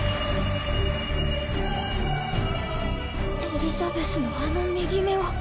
エリザベスのあの右目は。